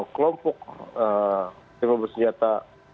kelompok kriminal bersenjata